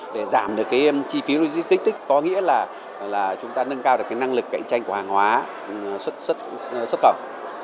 để giảm được chi phí logistics có nghĩa là chúng ta nâng cao được cái năng lực cạnh tranh của hàng hóa xuất khẩu